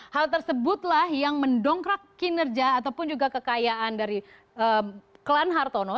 hal tersebutlah yang mendongkrak kinerja ataupun juga kekayaan dari klan hartono